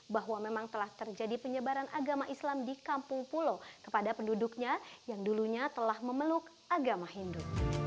bahwa memang telah terjadi penyebaran agama islam di kampung pulau kepada penduduknya yang dulunya telah memeluk agama hindu